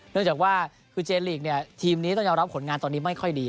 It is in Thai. เนื่องจากว่าคือเจนลีกเนี่ยทีมนี้ต้องยอมรับผลงานตอนนี้ไม่ค่อยดี